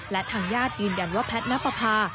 และทางญาติยืนยันว่าแพทย์นับประพา